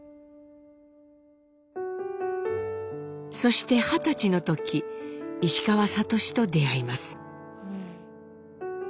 そして二十歳の時石川智と出会います。